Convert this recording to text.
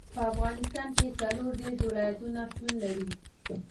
په افغانستان کې څلور دېرش ولایتونه شتون لري.